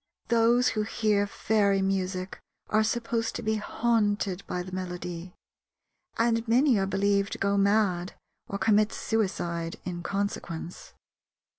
Those who hear fairy music are supposed to be haunted by the melody, and many are believed to go mad or commit suicide in consequence.